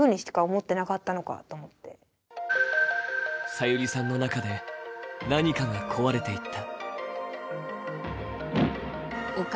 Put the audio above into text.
さゆりさんの中で、何かが壊れていった。